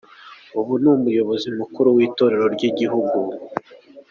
Ubu ni umuyobozi mukuru w’Itorero ry’igihugu.